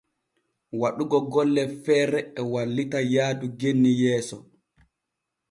Waɗugo golle feere e wallita yaadu genni yeeso.